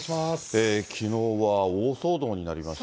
きのうは大騒動になりました。